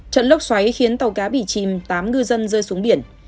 trận lốc xoáy khiến tàu cá bị chìm tám ngư dân rơi xuống biển